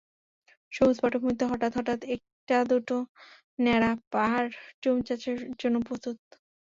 সবুজ পটভূমিতে হঠাৎ হঠাৎ একটা-দুটো ন্যাড়া পাহাড় জুম চাষের জন্য প্রস্তুত।